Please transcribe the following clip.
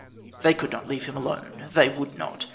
They could not leave him alone; they would not.